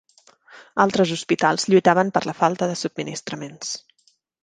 Altres hospitals lluitaven per la falta de subministraments.